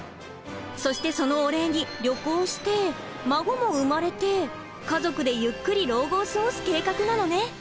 そしてそのお礼に旅行して孫も生まれて家族でゆっくり老後を過ごす計画なのね。